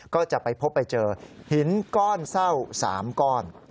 ก็จะไปพบไปเจอหินก้อนเศร้า๓ก้อน